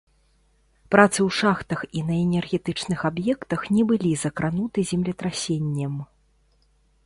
Працы ў шахтах і на энергетычных аб'ектах не былі закрануты землетрасеннем.